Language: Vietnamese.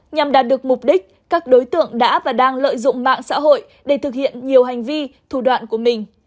nhằm đạt được mục đích các đối tượng đã và đang lợi dụng mạng xã hội để thực hiện nhiều hành vi thủ đoạn của mình